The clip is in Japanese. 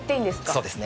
そうですね。